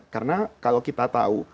karena kalau kita tahu